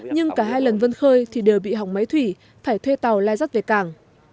nhưng cả hai lần vân khơi thì đều bị hỏng máy thủy phải thuê tàu lai rắt về cảng